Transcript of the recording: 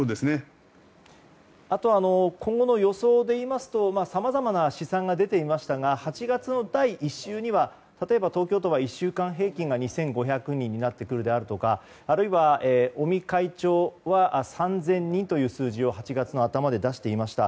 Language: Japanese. あとは今後の予想でいいますとさまざまな試算が出ていましたが８月の第１週には東京都は１週間平均が２５００人になるとかあるいは尾身会長は３０００人という数字を８月頭で出していました。